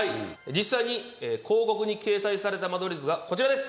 実際に広告に掲載された間取り図がこちらです！